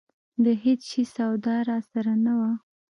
د هېڅ شي سودا راسره نه وه.